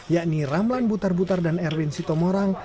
yakni ramlan butar butar dan erwin sitomorang